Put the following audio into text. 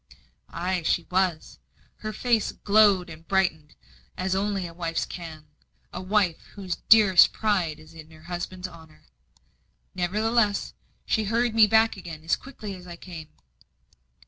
Ay, she was. Her face glowed and brightened as only a wife's can a wife whose dearest pride is in her husband's honour. Nevertheless, she hurried me back again as quickly as I came.